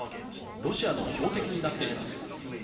ロシアの標的になっています。